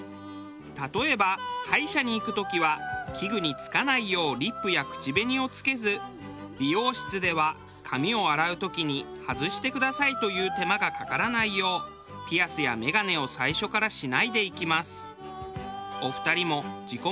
例えば歯医者に行く時は器具につかないようリップや口紅をつけず美容室では髪を洗う時に外してくださいという手間がかからないようピアスやメガネを最初からしないで行きます。